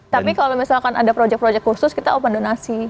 tapi kalau misalkan ada proyek proyek khusus kita open donasi